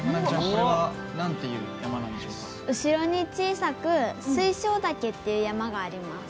後ろに小さく水晶岳っていう山があります。